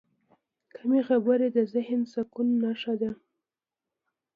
کمې خبرې، د ذهني سکون نښه ده.